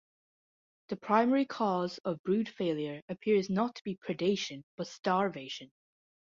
The primary cause of brood failure appears not to be predation but starvation.